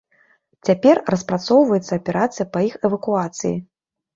Цяпер распрацоўваецца аперацыя па іх эвакуацыі.